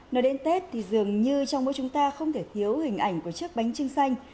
nói đến tết thì dường như trong mỗi chúng ta không thể thiếu hình ảnh của chiếc bánh trưng xanh